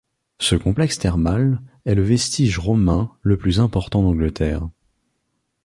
Ce complexe thermal est le vestige romain le plus important d’Angleterre.